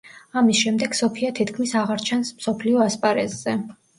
ამის შემდეგ სოფია თითქმის აღარ ჩანს მსოფლიო ასპარეზზე.